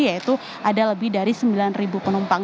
yaitu ada lebih dari sembilan penumpang